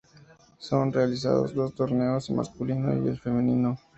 Son realizados dos torneos, el masculino y el femenino.